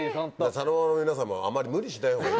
茶の間の皆さんもあまり無理しないほうがいいね。